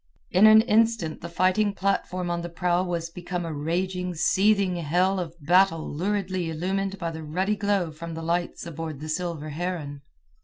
In an instant the fighting platform on the prow was become a raging, seething hell of battle luridly illumined by the ruddy glow from the lights aboard the Silver Heron.